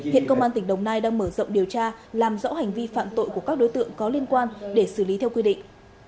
hiện công an tỉnh đồng nai đang mở rộng điều tra làm rõ hành vi phạm tội của các đối tượng có liên quan để xử lý theo quy định